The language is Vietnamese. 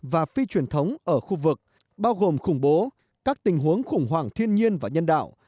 và phi truyền thống ở khu vực bao gồm khủng bố các tình huống khủng hoảng thiên nhiên và nhân đạo